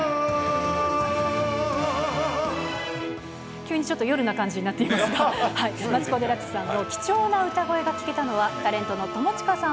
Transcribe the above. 急にちょっと夜な感じになっていますが、マツコ・デラックスさんの貴重な歌声が聴けたのは、タレントの友近さん